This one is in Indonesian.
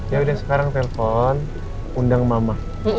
yaudah sekarang telpon undang mama